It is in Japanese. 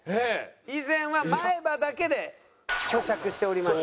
以前は前歯だけで咀嚼しておりましたね。